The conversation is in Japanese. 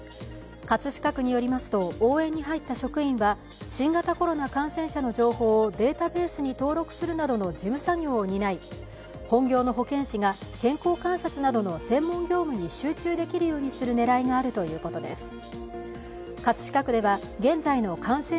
葛飾区によりますと応援に入った職員は新型コロナ感染者の情報をデータベースに登録するなどのジム作業を担い、本業の保健師が健康観察などの専門業務に集中できるようにする狙いがあるということです。